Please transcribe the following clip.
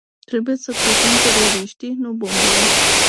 Trebuie să căutăm teroriștii, nu bombele.